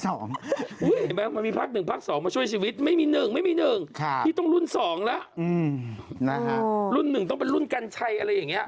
เห็นไหมมันมีภาค๑ภาค๒มาช่วยชีวิตไม่มี๑ไม่มี๑พี่ต้องรุ่น๒แล้วรุ่นหนึ่งต้องเป็นรุ่นกัญชัยอะไรอย่างนี้